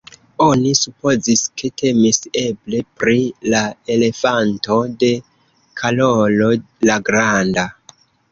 Oni supozis, ke temis eble pri la elefanto de Karolo la granda.